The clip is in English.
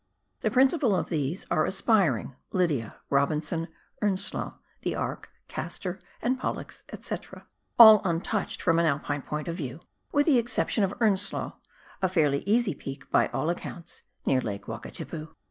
The principal of these are Aspiring, Lydia, E obinson, Earnslaw, The Ark, Castor and Pollux, &c., all untouched from an Alpine point of view, with the exception of Earnslaw, a fairly easy peak, from all accounts, near Lake Wakatipu.